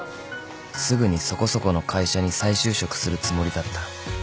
［すぐにそこそこの会社に再就職するつもりだった］